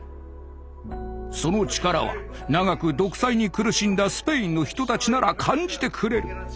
その力は長く独裁に苦しんだスペインの人たちなら感じてくれる。